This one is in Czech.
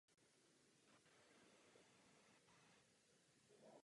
Co tu předvádíte, je skandální.